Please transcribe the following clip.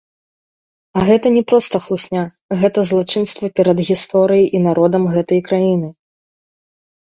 А гэта не проста хлусня, гэта злачынства перад гісторыяй і народам гэтай краіны.